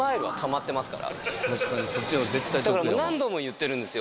だから何度も言ってるんですよ